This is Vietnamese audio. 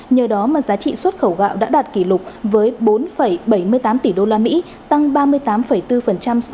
nhờ đó mà giá trị xuất khẩu gạo đã đạt kỷ lục với bốn bảy mươi tám tỷ đô la mỹ tăng ba mươi tám bốn so với năm hai nghìn hai mươi hai